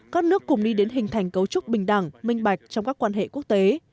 các nước cùng đi đến hình thành cấu trúc bình đẳng minh bạch trong các quan hệ quốc tế